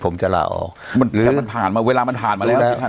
ผมจะละออกมันมันผ่านเวลามันผ่านมาแล้ว